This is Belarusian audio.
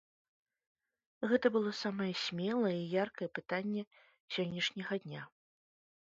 Гэта было самае смелае і яркае пытанне сённяшняга дня.